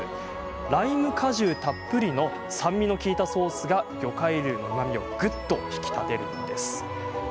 ライム果汁たっぷりの酸味の利いたソースが魚介類のうまみをぐっと引き立てるんです。